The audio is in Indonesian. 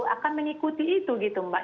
akan mengikuti itu gitu mbak